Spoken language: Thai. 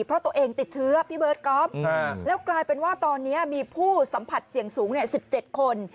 เพราะตัวเองติดเชื้อพี่เบิร์ตก๊อฟแล้วกลายเป็นว่าตอนนี้มีผู้สัมผัสเสี่ยงสูง๑๗คน